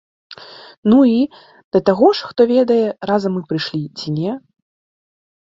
Ну і, да таго ж, хто ведае, разам мы прыйшлі, ці не?